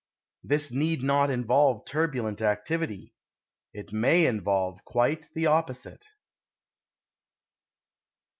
This need not involve turbulent activity. It may involve quite the opposite.